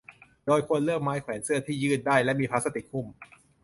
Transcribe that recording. โดยควรเลือกไม้แขวนเสื้อที่ยืดได้และมีพลาสติกหุ้ม